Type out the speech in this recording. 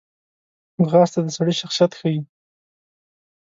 ځغاسته د سړي شخصیت ښیي